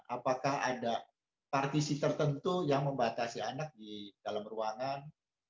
apakah ada partisi tertentu yang membatasi anak di dalam ruangan